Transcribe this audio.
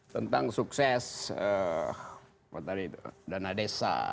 tentang sukses dana desa